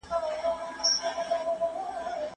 که مسلمانان په خپلو کي سره یو سي نړۍ به يې درناوی وکړي.